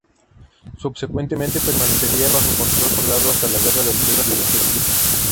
Subsecuentemente permanecería bajo control jordano hasta la guerra de los Seis Días.